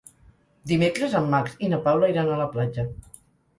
Dimecres en Max i na Paula iran a la platja.